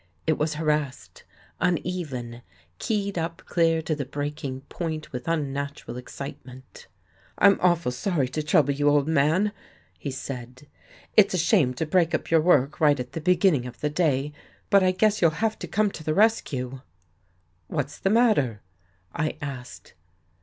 It was harassed, uneven, keyed up clear to the breaking point with unnatural excitement. " Tm awful sorry to trouble you, old man," he said. " It's a shame to break up your work right at the beginning of the day, but I guess you'll have to come to the rescue." " What's the matter? " I asked.